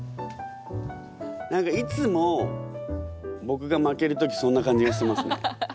何かいつも僕が負ける時そんな感じがしますね。